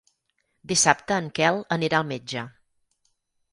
Dissabte en Quel anirà al metge.